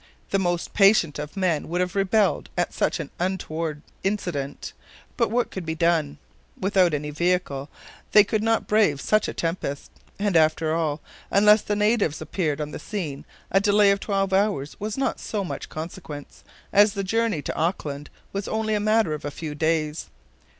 The most patient of men would have rebelled at such an untoward incident; but what could be done; without any vehicle, they could not brave such a tempest; and, after all, unless the natives appeared on the scene, a delay of twelve hours was not so much consequence, as the journey to Auckland was only a matter of a few days.